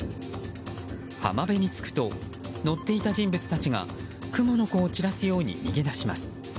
浜辺に着くと乗っていた人物たちがクモの子を散らすように逃げ出します。